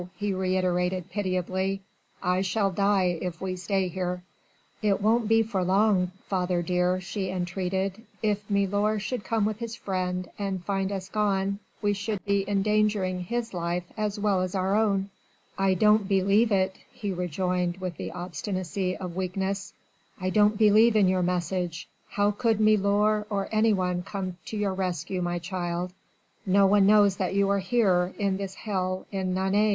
he reiterated pitiably. "I shall die if we stay here!" "It won't be for long, father dear," she entreated; "if milor should come with his friend, and find us gone, we should be endangering his life as well as our own." "I don't believe it," he rejoined with the obstinacy of weakness. "I don't believe in your message ... how could milor or anyone come to your rescue, my child?... No one knows that you are here, in this hell in Nantes."